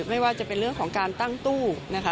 ไม่ว่าจะเป็นเรื่องของการตั้งตู้นะคะ